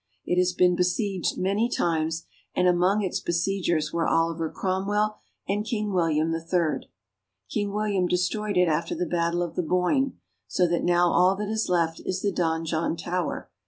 It has been besieged many times, and among its besiegers were Oliver Cromwell and King William III. King William destroyed it after the Battle of the Boyne, so that now all that is left is the donjon tower.